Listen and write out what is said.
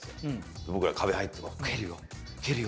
で僕ら壁入って蹴るよ蹴るよ。